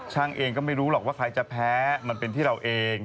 เองก็ไม่รู้หรอกว่าใครจะแพ้มันเป็นที่เราเอง